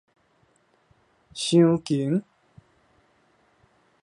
鑲墘